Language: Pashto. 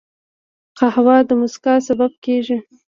قهوه د مسکا سبب کېږي